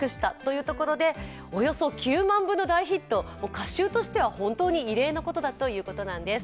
歌集としては異例のことだということです。